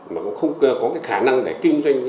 mà cũng không có cái khả năng để kinh doanh